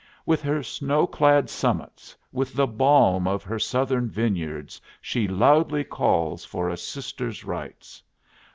"With her snow clad summits, with the balm of her Southern vineyards, she loudly calls for a sister's rights.